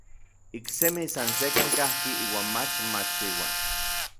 Iksemi san sekkan kajki iuan mach machiua.